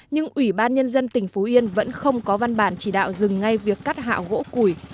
nhưng ủy ban nhân dân tỉnh phú yên vẫn không có văn bản chỉ đạo dừng ngay việc cắt hạ gỗ củi